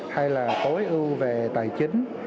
hay là tối ưu về tài chính